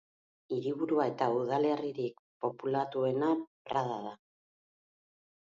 Hiriburua eta udalerririk populatuena Prada da.